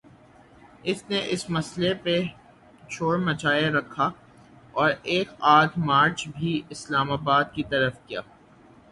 اس نے اس مسئلے پہ شور مچائے رکھا اور ایک آدھ مارچ بھی اسلام آباد کی طرف کیا۔